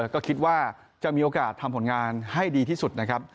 ก็คิดว่าจะมีโอกาสทำผลงานให้ดีที่สุดนะครับ